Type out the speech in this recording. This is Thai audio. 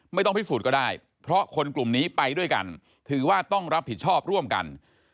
ไม่ต้องพิสูจน์ก็ได้เพราะคนกลุ่มนี้ไปด้วยกันถือว่าต้องรับผิดชอบร่วมกัน